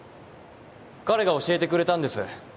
彼が教えてくれたんです。